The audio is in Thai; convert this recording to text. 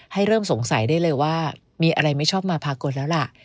เริ่มสงสัยได้เลยว่ามีอะไรไม่ชอบมาพากลแล้วล่ะ